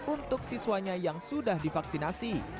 untuk siswanya yang sudah divaksinasi